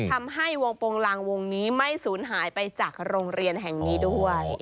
ทำให้วงโปรงลางวงนี้ไม่สูญหายไปจากโรงเรียนแห่งนี้ด้วย